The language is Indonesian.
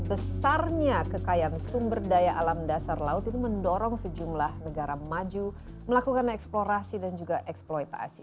besarnya kekayaan sumber daya alam dasar laut itu mendorong sejumlah negara maju melakukan eksplorasi dan juga eksploitasi